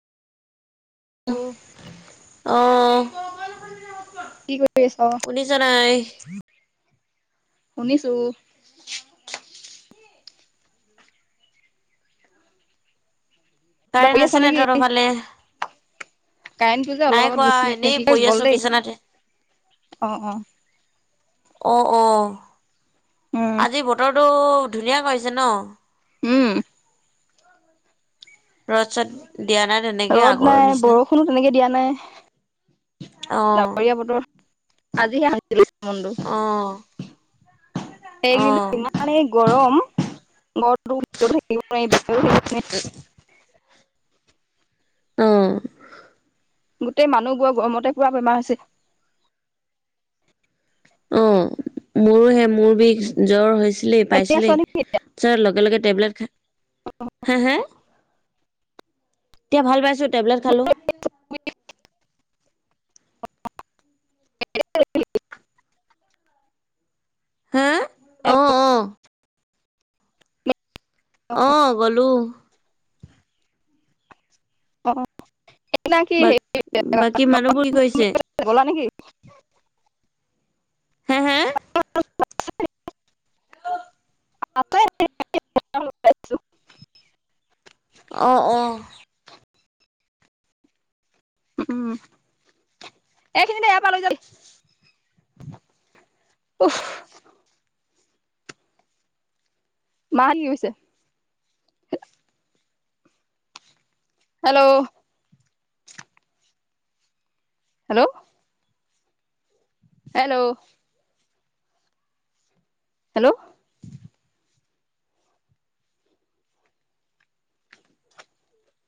Hello অ। কি কৰি আছ? শুনিছ নাই? শুনিছো। কিবা কৰি কাৰেন্ট আছ আছে নে নেকি? তহঁতৰ ফালে? কাৰেণ্টটো যে অলপ নাই আগত কোৱা গৈছিলে এনেই কি কয় পৰি গ'ল আছো দেই বিচনাতে। অ, অ অ অ উম আজি বতৰটো ধু ধুনীয়া কৰিছে ন? উম। ৰ'দ-চত দিয়া নাই। তেনেকে ৰ'দ আগৰ নাই, নিচিনা। বৰষুণো তেনেকে দিয়া নাই। অ, ডাৱৰীয়া বতৰ আজিহে শান্তি লাগিছে মনটো অ। অ। এইকেইদিনটো ইমানেই গৰম। ঘৰটোৰ ভিতৰতো থাকিব নোৱাৰি, বাহিৰটো থাকিব নোৱাৰি। অ', গোটেই মানুহবোৰৰ গৰমতে পুৰা বেমাৰ হৈছে। উম, মোৰো সে মোৰ বিষ। জ্বৰ হৈছিলেই এনে আছ পাইছিলেই। নেকি এতিয়া? তাৰপিছত লগে লগে টেবলেট খাই, হা, হা? এতিয়া ভাল পাইছো, টেবেলট খালো। [unintelligible] হা? অ। অ', অ গলো। অ বা বাকী সেইদিনাখন মানুহবোৰ কি কৰিছে? [unintelligible] গলা নে কি? হা হা [unintelligible] [unintelligible] অ, অ। উম, এইখিনিতে ইয়াৰ পৰা লৈ যাবি। উফ। মাহঁত কি কৰিছে? Hello hello hello. হেল্ল'।